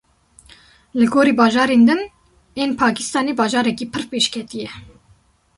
Li gorî bajarên din ên Pakistanê bajarekî pir pêşketî ye.